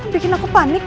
bikin aku panik